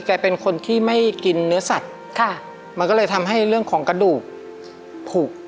เป็นคนที่ไม่กินเนื้อสัตว์ค่ะมันก็เลยทำให้เรื่องของกระดูกผูก